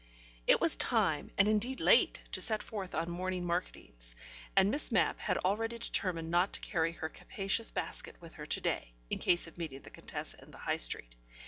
It was time (and indeed late) to set forth on morning marketings, and Miss Mapp had already determined not to carry her capacious basket with her to day, in case of meeting the Contessa in the High Street.